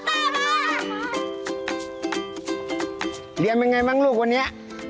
เรียนเป็นไงบ้างลูกวันนี้